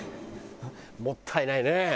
もったいないね。